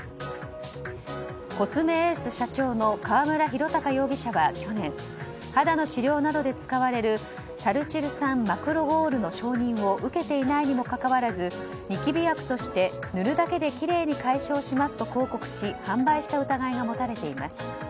コスメエース社長の河邨弘隆容疑者は去年肌の治療などで使われるサリチル酸マクロゴールの承認を受けていないにもかかわらずニキビ薬として塗るだけできれいに解消しますと広告し、販売した疑いが持たれています。